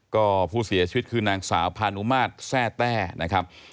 ก็ผู้เสียชีวิตคือนางสาวพานุมาตรแทร่แต้นะครับ